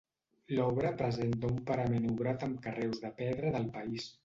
L'obra presenta un parament obrat amb carreus de pedra del país.